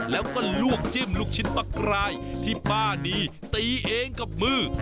แล้วก็ลวกจิ้มลูกชิ้นปลากรายที่ป้านีตีเองกับมือ